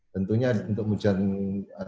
tentunya untuk menjaga